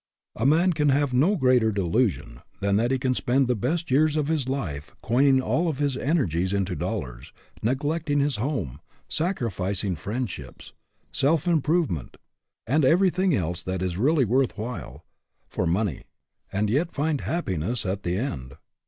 A man can have no greater delusion than that he can spend the best years of his life coining all of his energies into dollars, neg lecting his home, sacrificing friendships, self improvement, and everything else that is really worth while, for money, and yet find happi ness at the end